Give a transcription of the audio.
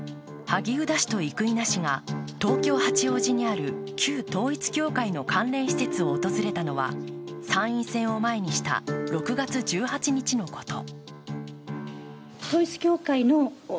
萩生田氏と生稲氏が東京・八王子にある旧統一教会の関連施設を訪れたのは参院選を前にした６月１８日のこと。